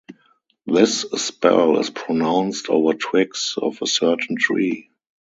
This spell is pronounced over twigs of a certain tree.